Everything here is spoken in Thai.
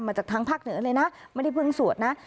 จากทางภาคเหนือเลยนะไม่ได้เพิ่งสวดนะ